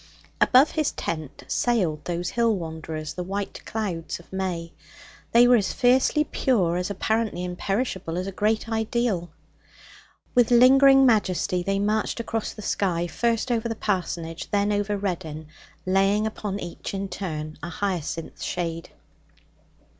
Above his tent sailed those hill wanderers, the white clouds of May. They were as fiercely pure, as apparently imperishable, as a great ideal. With lingering majesty they marched across the sky, first over the parsonage, then over Reddin, laying upon each in turn a hyacinth shadow.